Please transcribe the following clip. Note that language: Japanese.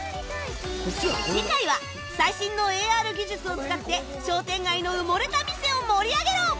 次回は最新の ＡＲ 技術を使って商店街の埋もれた店を盛り上げろ！